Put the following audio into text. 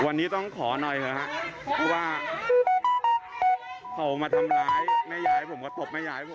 วันนี้ต้องขอหน่อยครับ